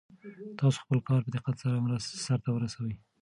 تاسو خپل کار په دقت سره سرته ورسوئ.